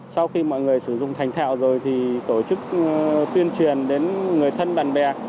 sau khi mọi người sử dụng thành thạo rồi thì tổ chức tuyên truyền đến người thân bạn bè